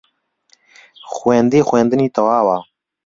خوێندی خوێندنی تەواوە